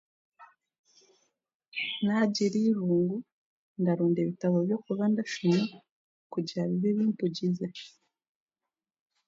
Naagira eirungu ndaronda ebitabo by'okuba ndashoma kugira bibe bimpugize